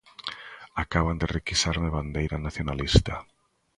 Acaban de requisarme a bandeira nacionalista.